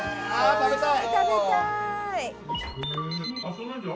食べたーい！